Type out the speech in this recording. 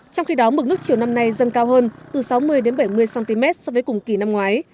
trong khi đó mực nước chiều năm nay dâng cao hơn từ sáu mươi bảy mươi cm so với cùng kỳ năm ngoái